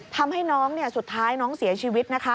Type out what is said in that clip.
ทำให้น้องสุดท้ายน้องเสียชีวิตนะคะ